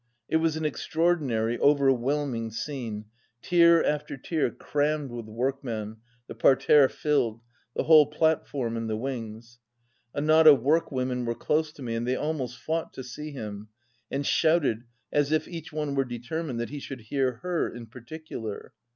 It was an extraordinary, overwhelming scene, tier after tier crammed with workmen, the parterre filled, the whole platform and the wings. A knot of workwomen were close to me, and they almost fought to see him, and shouted as if each one were determined that he should hear her in particular.